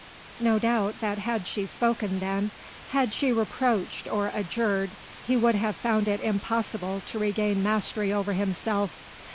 No doubt that had she spoken then, had she reproached or adjured, he would have found it impossible to regain mastery over himself.